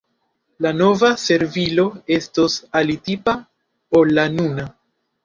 La nova servilo estos alitipa ol la nuna.